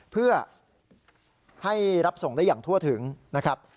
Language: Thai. เพื่อให้รับส่งได้อย่างทั่วถึงนะครับ